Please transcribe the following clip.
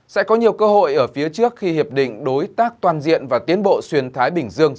sẽ có nhiều cơ hội ở phía trước khi hiệp định đối tác toàn diện và tiến bộ xuyên thái bình dương